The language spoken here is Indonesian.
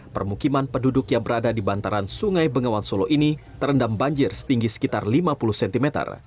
permukiman penduduk yang berada di bantaran sungai bengawan solo ini terendam banjir setinggi sekitar lima puluh cm